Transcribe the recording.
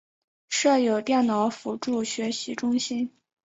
设有电脑辅助学习中心。